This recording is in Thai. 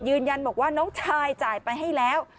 ยืนยันบอกว่าน้องชายจ่ายไปให้แล้ว